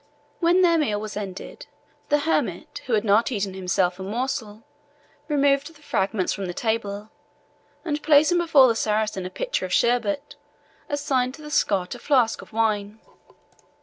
When their meal was ended, the hermit, who had not himself eaten a morsel, removed the fragments from the table, and placing before the Saracen a pitcher of sherbet, assigned to the Scot a flask of wine.